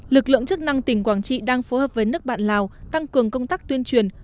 lực lượng chức năng tỉnh quảng trị đang phối hợp với nước bạn lào tăng cường công tác tuyên truyền